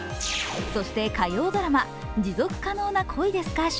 そして火曜ドラマ「持続可能な恋ですか？」